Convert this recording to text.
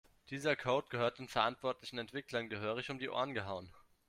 Dieser Code gehört den verantwortlichen Entwicklern gehörig um die Ohren gehauen.